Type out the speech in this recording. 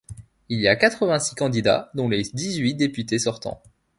Il y a quatre-vingt-six candidats, dont les dix-huit députés sortants.